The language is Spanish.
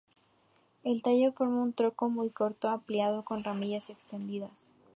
El tallo forma un tronco muy corto ampliado con ramillas extendidas.